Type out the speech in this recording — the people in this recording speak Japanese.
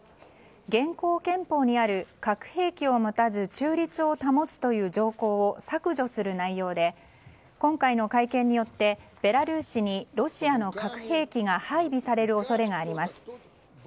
現行憲法にある核兵器を持たず中立を保つという条項を削除する内容で今回の改憲によってベラルーシにロシアの核兵器が配備される恐れがあります。